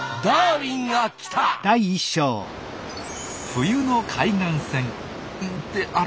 冬の海岸線ってあれ？